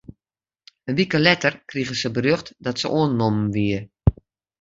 In wike letter krige se berjocht dat se oannommen wie.